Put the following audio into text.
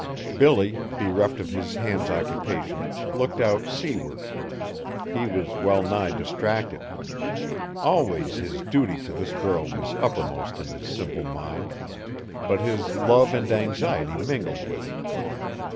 Billy, bereft of his hands' occupation, looked out seaward. He was well nigh distracted. Always his duty to this girl was uppermost in his simple mind; but his love and anxiety mingled with it.